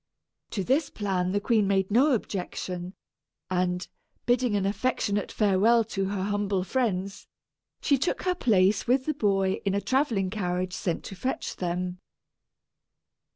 To this plan the queen made no objection; and, bidding an affectionate farewell to her humble friends, she took her place with the boy in a travelling carriage sent to fetch them.